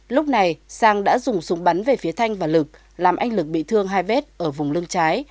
lúc này sang đã dùng súng bắn về phía thanh và lực làm anh lực bị thương hai vết ở vùng lưng trái